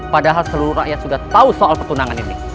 padahal seluruh rakyat sudah tahu soal pertunangan ini